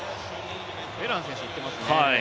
ベラン選手行ってますね。